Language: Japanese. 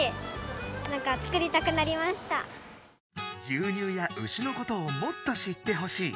牛乳や牛のことをもっと知ってほしい！